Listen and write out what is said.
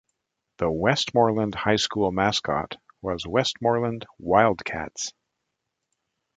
The Westmoreland High School mascot was Westmoreland Wildcats.